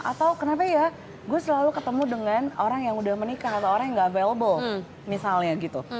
atau kenapa ya gue selalu ketemu dengan orang yang udah menikah atau orang yang gak available misalnya gitu